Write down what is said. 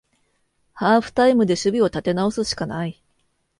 ハーフタイムで守備を立て直すしかない